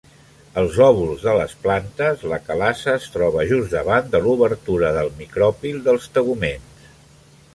Als òvuls de les plantes, la calaza es troba just davant de l'obertura del micròpil dels teguments.